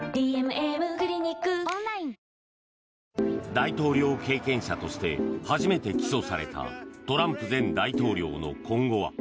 大統領経験者として初めて起訴されたトランプ前大統領の今後は。